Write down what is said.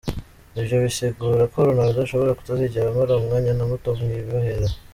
Ivyo bisigura ko Ronaldo ashobora kutazigera amara umwanya na muto mw'ibohero.